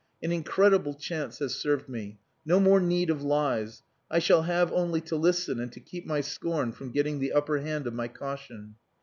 An incredible chance has served me. No more need of lies. I shall have only to listen and to keep my scorn from getting the upper hand of my caution."